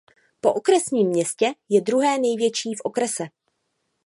Po okresním městě je druhé největší v okrese.